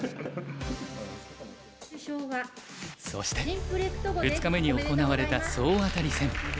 そして２日目に行われた総当たり戦。